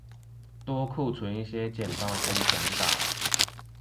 多庫存一些簡報跟講稿